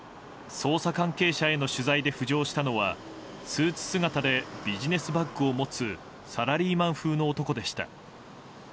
捜査関係者への取材で浮上したのはスーツ姿でビジネスバッグを持つサラリーマン風の男でした。